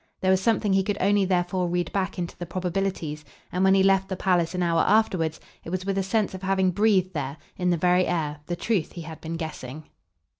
There was something he could only therefore read back into the probabilities, and when he left the palace an hour afterwards it was with a sense of having breathed there, in the very air, the truth he had been guessing.